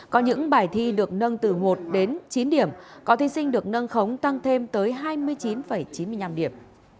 có những bài thi được nâng từ một đến chín điểm có thí sinh được nâng khống tăng thêm tới hai mươi chín chín mươi năm điểm